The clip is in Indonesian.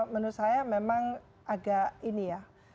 menurut saya memang agak ini ya